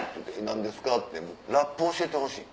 「何ですか？」「ラップ教えてほしい」。